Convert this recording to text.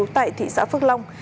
tại thị xã phước long